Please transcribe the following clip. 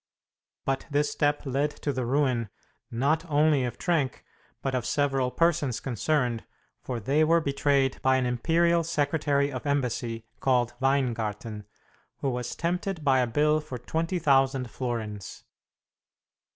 But this step led to the ruin, not only of Trenck, but of several persons concerned, for they were betrayed by an imperial secretary of embassy called Weingarten, who was tempted by a bill for 20,000 florins.